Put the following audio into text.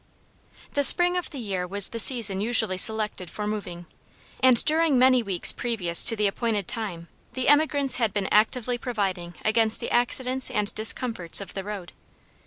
The spring of the year was the season usually selected for moving, and during many weeks previous to the appointed time, the emigrants had been actively providing against the accidents and discomforts of the road.